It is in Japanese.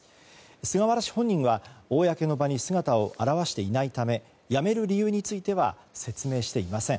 菅原氏本人は公の場に姿を現していないため辞める理由については説明していません。